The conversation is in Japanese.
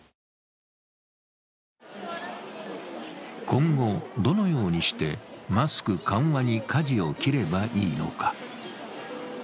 今後どのようにしてマスク緩和にかじを切ればいいのか。